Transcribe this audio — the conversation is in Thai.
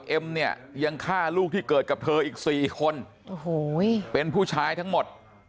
เอ็มเนี่ยยังฆ่าลูกที่เกิดกับเธออีก๔คนโอ้โหเป็นผู้ชายทั้งหมด